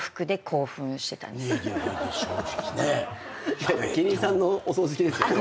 いや希林さんのお葬式ですよね。